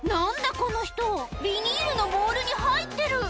この人ビニールのボールに入ってる！